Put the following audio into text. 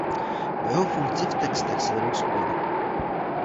O jeho funkci v textech se vedou spory.